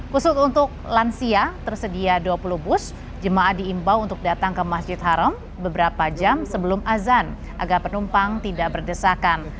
khusus untuk lansia tersedia dua puluh bus jemaah diimbau untuk datang ke masjid haram beberapa jam sebelum azan agar penumpang tidak berdesakan